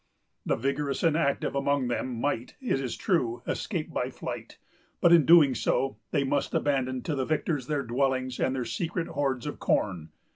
The vigorous and active among them might, it is true, escape by flight; but, in doing so, they must abandon to the victors their dwellings, and their secret hordes of corn.